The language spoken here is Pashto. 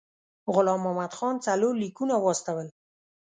غلام محمد خان څلور لیکونه واستول.